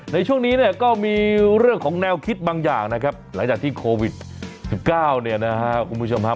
ในช่วงนี้เนี่ยก็มีเรื่องของแนวคิดบางอย่างนะครับหลังจากที่โควิด๑๙เนี่ยนะครับคุณผู้ชมครับ